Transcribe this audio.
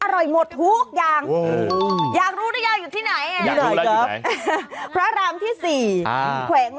อร่อยหมดทุกอย่าง